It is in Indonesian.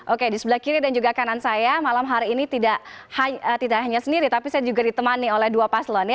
oke di sebelah kiri dan juga kanan saya malam hari ini tidak hanya sendiri tapi saya juga ditemani oleh dua paslon